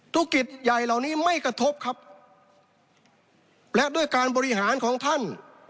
ธุรกิจใหญ่เหล่านี้ไม่กระทบครับและด้วยการบริหารของท่าน